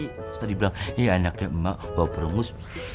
terus tadi bilang ini anaknya emak bawa perumus